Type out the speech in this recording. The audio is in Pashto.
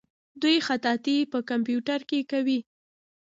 دوی خطاطي په کمپیوټر کې کوي.